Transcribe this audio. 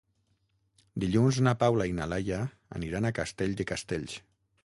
Dilluns na Paula i na Laia aniran a Castell de Castells.